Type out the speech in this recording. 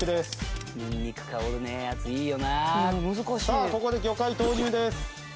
さあここで魚介投入です。